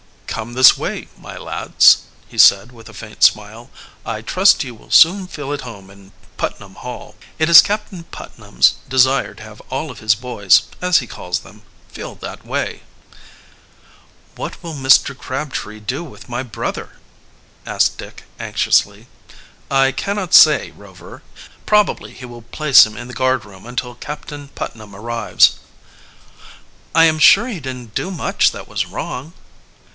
"Come this way, my lads," he said with a faint smile. "I trust you will soon feel at home in Putnam Hall. It is Captain Putnam's desire to have all of his boys, as he calls them, feel that way." "What will Mr. Crabtree do with my brother?" asked Dick anxiously. "I cannot say, Rover. Probably he will place him in the guardroom until Captain Putnam arrives." "I am sure he didn't do much that was wrong."